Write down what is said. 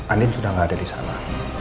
anin sudah tidak ada di sana